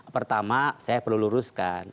pertama saya perlu luruskan